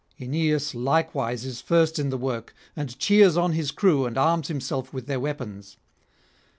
Aeneas likewise is first in the work, and cheers on his crew and arms himself with their weapons.